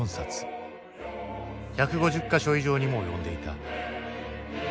１５０箇所以上にも及んでいた。